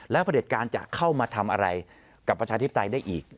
แล้วพระเด็จการจะเข้ามาทำอะไรกับประชาธิปไตยได้อีก